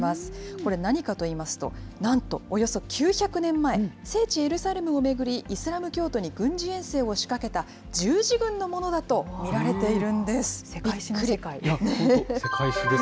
これ、何かといいますと、なんとおよそ９００年前、聖地エルサレムを巡り、イスラム教徒に軍事遠征を仕掛けた十字軍のものだと見世界史の世界。